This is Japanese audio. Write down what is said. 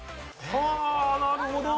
はあなるほど。